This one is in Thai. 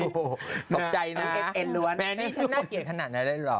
โอ้โหตกใจนะแม่นี่ฉันน่าเกลียดขนาดนั้นเลยเหรอ